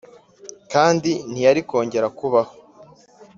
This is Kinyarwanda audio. kandi ntiyari kongera kubaho.